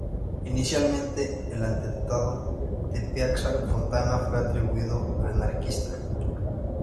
Inicialmente, el atentado de Piazza Fontana fue atribuido a anarquistas.